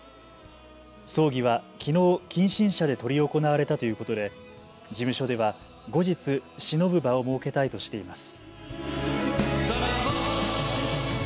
葬儀はきのう、近親者で執り行われたということで事務所では後日、しのぶ場を設けたいとしています。